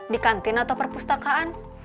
di kantin atau perpustakaan